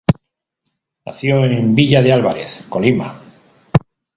Nació en Villa de Álvarez, Colima.